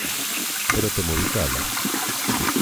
Pero temo bicala.